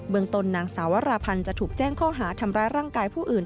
ตนนางสาวราพันธ์จะถูกแจ้งข้อหาทำร้ายร่างกายผู้อื่น